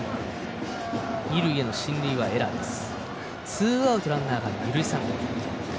二塁への進塁はエラーです。